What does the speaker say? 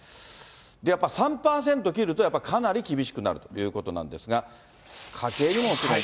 やっぱり３％切るとかなり厳しくなるということなんですが、家計にももちろん。